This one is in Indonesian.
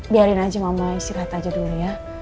biarin aja mama istirahat aja dulu ya